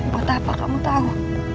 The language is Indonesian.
buat apa kamu tahu